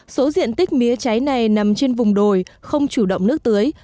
số diện tích mía trái này nằm trên vùng đồi không chủ động nước tưới